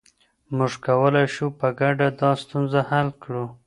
موږ کولای شو په ګډه دا ستونزه حل کړو.